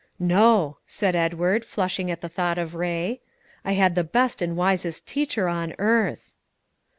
"No," said Edward, flushing at the thought of Ray; "I had the best and wisest teacher on earth."